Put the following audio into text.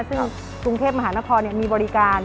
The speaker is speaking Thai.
ซึ่งกรุงเทพมหานครมีบริการ